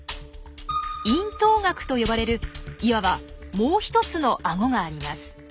「咽頭顎」と呼ばれるいわばもう一つのアゴがあります。